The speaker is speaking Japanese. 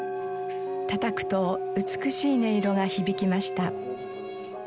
たたくと美しい音色が響きました。